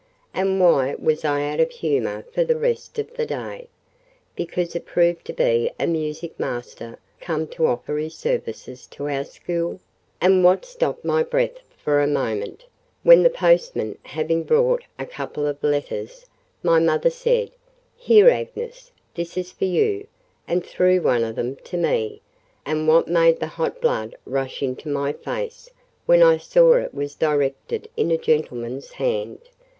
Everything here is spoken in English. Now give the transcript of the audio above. and why was I out of humour for the rest of the day, because it proved to be a music master come to offer his services to our school? and what stopped my breath for a moment, when the postman having brought a couple of letters, my mother said, "Here, Agnes, this is for you," and threw one of them to me? and what made the hot blood rush into my face when I saw it was directed in a gentleman's hand?